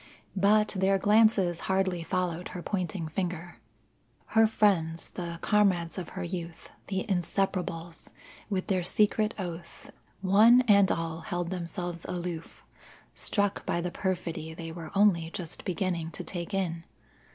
But their glances hardly followed her pointing finger. Her friends the comrades of her youth, the Inseparables with their secret oath one and all held themselves aloof, struck by the perfidy they were only just beginning to take in.